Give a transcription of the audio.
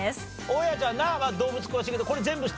大家ちゃんなあ動物詳しいけどこれ全部知ってた？